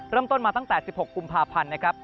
เริ่มต้นมาตั้งแต่๑๖กุมภาพันธ์นะครับ